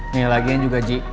nih laginya juga ji